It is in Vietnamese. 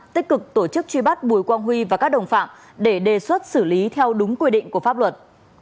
tích cực tổ chức truy bắt bùi quang huy và các đồng phạm để đề xuất xử lý theo đúng quy định của pháp luật